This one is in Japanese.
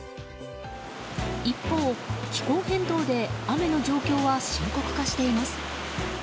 一方、気候変動で雨の状況は深刻化しています。